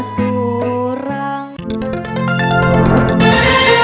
สู้ครับ